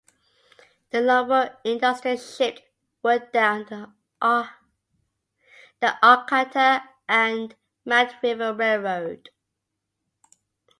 The lumber industry shipped wood down the Arcata and Mad River Railroad.